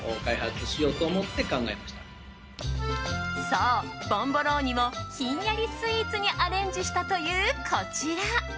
そう、ボンボローニをひんやりスイーツにアレンジしたという、こちら。